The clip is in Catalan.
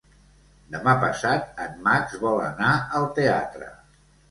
Demà passat en Max vol anar al teatre.